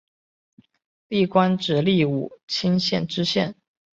历官直隶武清县知县。